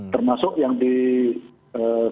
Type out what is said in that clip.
termasuk yang di sekitar dki